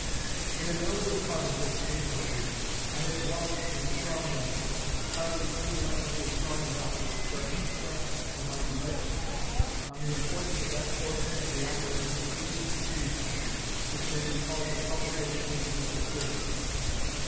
In an earlier part of this inquiry I have dwelt in strong language hardly any language is strong enough to express the strength of my conviction on the importance of that portion of the operation of free institutions which may be called the public education of the citizens.